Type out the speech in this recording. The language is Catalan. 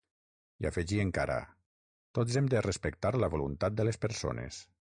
I afegí encara: Tots hem de respectar la voluntat de les persones.